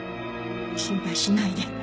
心配しないで。